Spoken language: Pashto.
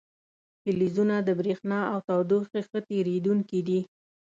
فلزونه د برېښنا او تودوخې ښه تیروونکي دي.